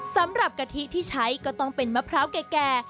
กะทิที่ใช้ก็ต้องเป็นมะพร้าวแก่